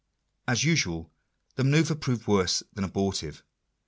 As usual the manoeuvre proved worse than abortive.